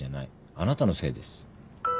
あなたのせいです。